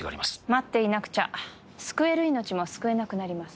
待っていなくちゃ救える命も救えなくなります